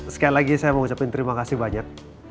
sekali lagi saya mau ucapkan terima kasih banyak